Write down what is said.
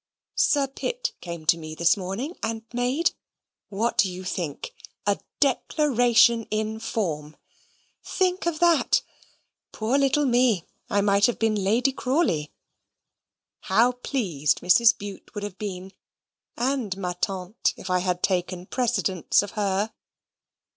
Sir Pitt came to me this morning, and made what do you think? A DECLARATION IN FORM. Think of that! Poor little me. I might have been Lady Crawley. How pleased Mrs. Bute would have been: and ma tante if I had taken precedence of her!